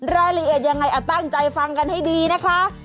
รายละเอียดยังไงตั้งใจฟังกันให้ดีนะคะ